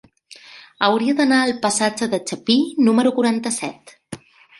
Hauria d'anar al passatge de Chapí número quaranta-set.